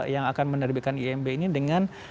yang akan menerbitkan imb ini dengan